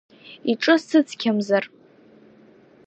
Иҿы сыцқьамзар…